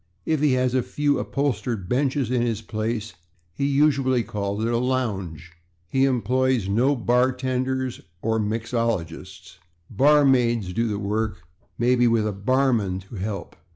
If he has a few upholstered benches in his place he usually calls it a /lounge/. He employs no /bartenders/ or /mixologists/. /Barmaids/ do the work, with maybe a /barman/ to help.